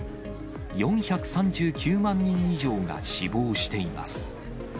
４３９万人以上が死亡しています。